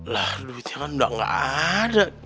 lah duitnya kan udah gak ada